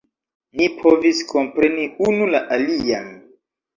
Ni povis kompreni unu la alian.